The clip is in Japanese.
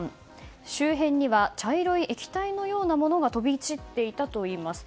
周辺には茶色い液体のようなものが飛び散っていたといいます。